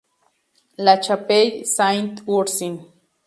La Chapelle-Saint-Ursin